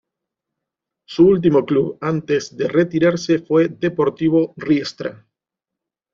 Su último club antes de retirarse fue Deportivo Riestra.